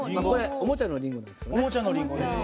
おもちゃのリンゴですか。